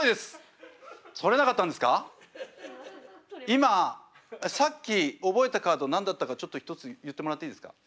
今さっき覚えたカード何だったかちょっとひとつ言ってもらっていいですか？